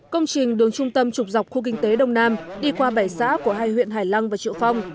công trình đường trung tâm trục dọc khu kinh tế đông nam đi qua bảy xã của hai huyện hải lăng và triệu phong